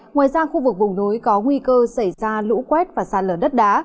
ngoài ra khu vực vùng núi có nguy cơ xảy ra lũ quét và xa lở đất đá